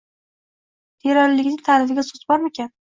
Teranlikning ta’rifiga so’z bormikan?..